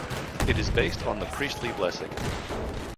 It is based on the Priestly Blessing.